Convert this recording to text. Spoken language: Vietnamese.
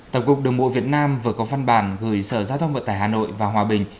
tổng cục đường bộ việt nam vừa có văn bản gửi sở giao thông vận tải hà nội và hòa bình